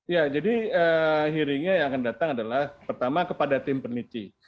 ya jadi hearingnya yang akan datang adalah pertama kepada tim peneliti